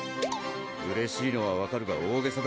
うれしいのは分かるが大袈裟だ